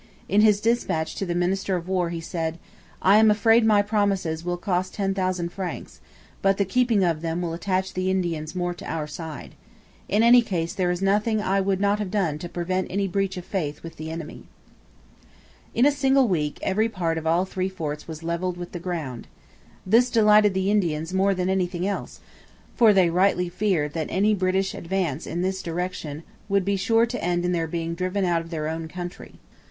In his dispatch to the minister of War he said: 'I am afraid my promises will cost ten thousand francs; but the keeping of them will attach the Indians more to our side. In any case, there is nothing I would not have done to prevent any breach of faith with the enemy.' In a single week every part of all three forts was levelled with the ground. This delighted the Indians more than anything else, for they rightly feared that any British advance in this direction would be sure to end in their being driven out of their own country.